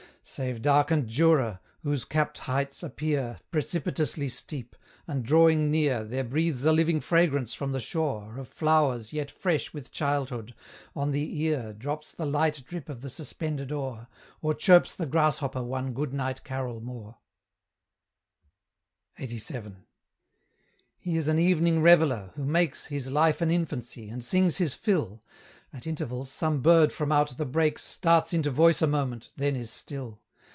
Save darkened Jura, whose capt heights appear Precipitously steep; and drawing near, There breathes a living fragrance from the shore, Of flowers yet fresh with childhood; on the ear Drops the light drip of the suspended oar, Or chirps the grasshopper one good night carol more; LXXXVII. He is an evening reveller, who makes His life an infancy, and sings his fill; At intervals, some bird from out the brakes Starts into voice a moment, then is still.